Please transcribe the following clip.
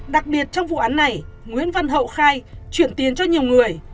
đặc biệt trong vụ án này nguyễn văn hậu khai chuyển tiền cho nhiều người